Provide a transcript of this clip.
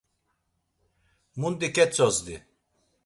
Mundi ketzozdi.